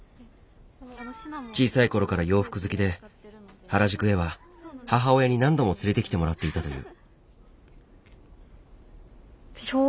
小さいころから洋服好きで原宿へは母親に何度も連れてきてもらっていたという。